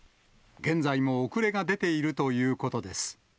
現在も遅れが出ているということです。